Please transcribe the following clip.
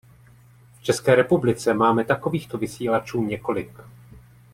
V České republice máme takovýchto vysílačů několik.